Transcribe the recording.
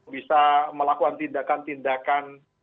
bisa melakukan tindakan tindakan